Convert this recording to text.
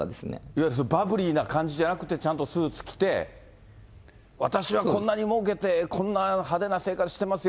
いわゆるバブリーな感じじゃなくて、ちゃんとスーツ着て、私はこんなにもうけて、こんな派手な生活してます